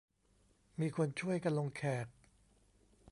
มีคนช่วยกันลงแขก